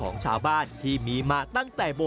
ซึ่งเป็นประเพณีที่มีหนึ่งเดียวในประเทศไทยและหนึ่งเดียวในโลก